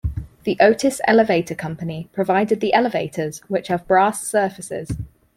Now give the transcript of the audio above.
The Otis Elevator Company provided the elevators, which have brass surfaces.